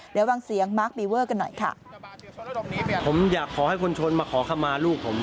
เดี๋ยววางเสียงมาร์คบีเวอร์กันหน่อยค่ะ